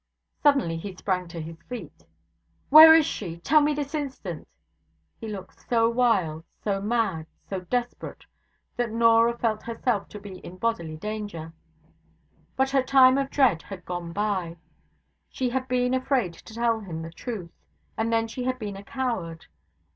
Suddenly he sprang to his feet. 'Where is she? Tell me this instant.' He looked so wild, so mad, so desperate, that Norah felt herself to be in bodily danger; but her time of dread had gone by. She had been afraid to tell him the truth, and then she had been a coward.